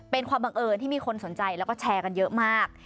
เป็นความบังเอิญที่มีคนสนใจแล้วก็แชร์กันเยอะมาก